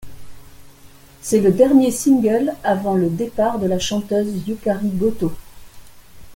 C'est le dernier single avant le départ de la chanteuse Yukari Goto.